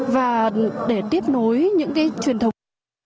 và để tiếp nối những cái truyền thống